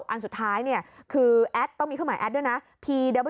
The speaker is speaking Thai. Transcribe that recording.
อันสุดท้ายเนี่ยคือแอดต้องมีเครื่องหมายแอดด้วยนะ